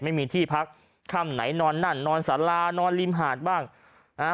ไม่มีที่พักค่ำไหนนอนนั่นนอนสารานอนริมหาดบ้างนะฮะ